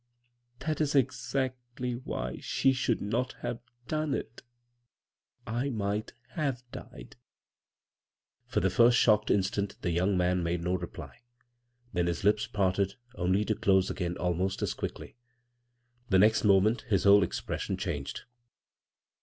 " That is exactly why she should not have done it — 1 might have died." For the first shocked instant the young man made no reply; then his lips parted, only to close again almost as quickly. The next moment his whole expression changed.